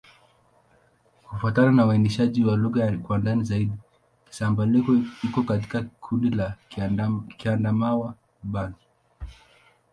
Kufuatana na uainishaji wa lugha kwa ndani zaidi, Kisamba-Leko iko katika kundi la Kiadamawa-Ubangi.